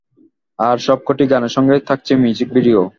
আর সবকটি গানের সঙ্গে থাকছে মিউজিক ভিডিও।